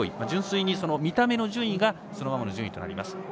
純粋に見た目の順位がそのままの順位となります。